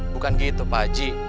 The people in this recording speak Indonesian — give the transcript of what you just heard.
bukan gitu pak haji